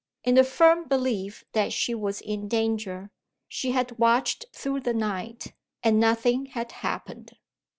In the firm belief that she was in danger, she had watched through the night and nothing had happened.